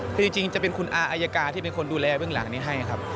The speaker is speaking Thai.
คือจริงจะเป็นคุณอาอายการที่เป็นคนดูแลเบื้องหลังนี้ให้ครับ